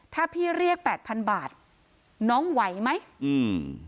ถ้าพี่เรียกแปดพันบาทน้องไหวไหมอืม